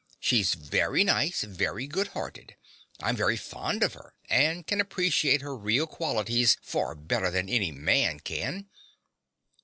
She's very nice, very good hearted: I'm very fond of her and can appreciate her real qualities far better than any man can.